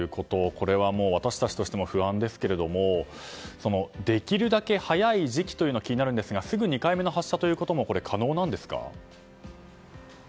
これはもう、私たちとしても不安ですけれどもできるだけ早い時期というのが気になるんですがすぐ２回目の発射ということも可能なんですか？